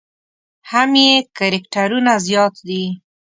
هم یې کرکټرونه زیات دي.